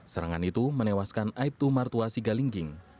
serangan itu menewaskan aibtu martuasi galingging